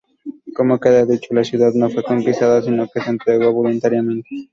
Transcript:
Como queda dicho, la ciudad no fue conquistada, sino que se entregó voluntariamente.